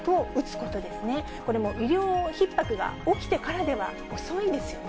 これも医療ひっ迫が起きてからでは遅いんですよね。